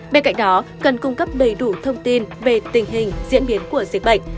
bên cạnh đó cần cung cấp đầy đủ thông tin về tình hình diễn biến của dịch bệnh